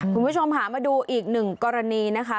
คุณผู้ชมค่ะมาดูอีกหนึ่งกรณีนะคะ